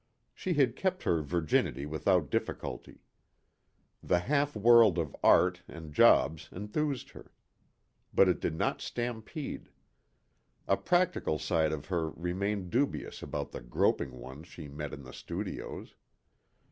She had kept her virginity without difficulty. The half world of art and jobs enthused her. But it did not stampede. A practical side of her remained dubious about the groping ones she met in the studios.